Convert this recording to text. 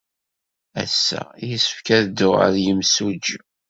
Ass-a, yessefk ad dduɣ ɣer yemsujji.